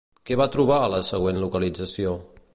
Què van trobar a la següent localització?